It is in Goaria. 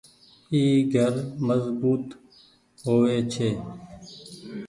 اي گهر مزبوت هووي ڇي